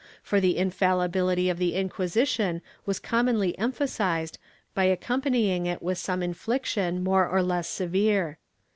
110 THE SENTENCE [Book VII for the infallibility of the Inquisition was commonly emphasized by accompanying it with some infliction, more or less severe.